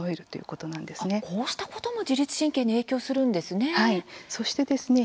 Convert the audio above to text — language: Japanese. こうしたことも自律神経に影響するんですね。